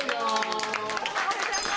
おはようございます。